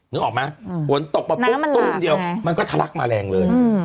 นึกออกไหมฝนตกมาปุ๊บตู้มเดียวมันก็ทะลักมาแรงเลย